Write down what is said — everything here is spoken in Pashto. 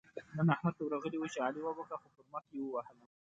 نن احمد ته ورغلی وو؛ چې علي وبښه - خو پر مخ يې ووهلم.